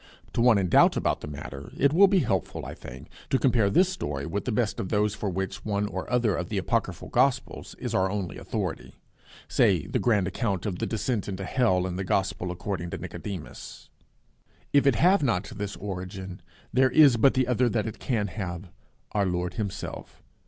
To one in doubt about the matter it will be helpful, I think, to compare this story with the best of those for which one or other of the apocryphal gospels is our only authority say the grand account of the Descent into Hell in the Gospel according to Nicodemus. If it have not this origin, there is but the other that it can have Our Lord himself.